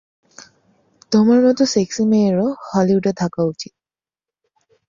তোমার মতো সেক্সি মেয়েরও হলিউডে থাকা উচিত।